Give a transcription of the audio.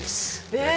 ねえ。